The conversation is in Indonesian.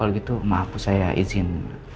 kalau gitu maaf saya izin